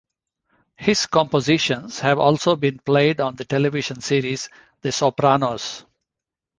His compositions have also been played on the television series "The Sopranos".